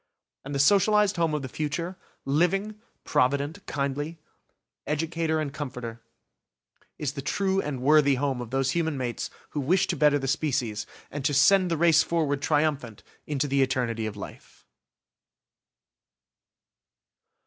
And the socialised home of the future, living, provident, kindly; educator and comforter; is the true and worthy home of those human mates who wish to better the species, and to send the race forward triumphant into the eternity of life!